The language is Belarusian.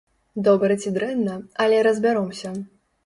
Добра ці дрэнна, але разбяромся!